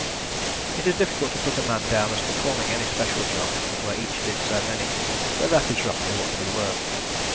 It is difficult to put a man down as performing any special job where each did so many, but that is roughly what we were.